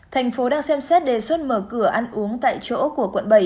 thành phố đang xem xét đề xuất mở cửa ăn uống tại chỗ của quận bảy